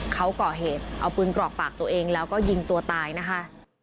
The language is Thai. เขาก่อเหตุเอาปืนกรอกปากตัวเองแล้วก็ยิงตัวตายนะคะ